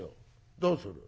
どうする？